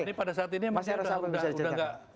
jadi pada saat ini mas eros apa yang bisa diceritakan